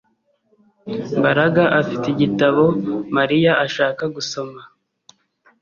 Mbaraga afite igitabo Mariya ashaka gusoma